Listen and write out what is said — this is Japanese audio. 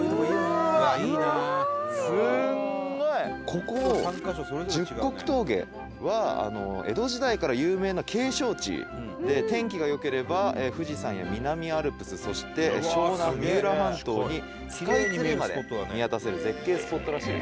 「ここ十国峠は江戸時代から有名な景勝地で天気が良ければ富士山や南アルプスそして湘南三浦半島にスカイツリーまで見渡せる絶景スポットらしいですね」